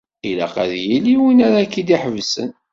Ilaq ad yili win ara k-id-iḥebsen.